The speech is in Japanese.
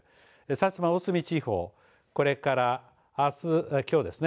薩摩・大隅地方、これからきょうですね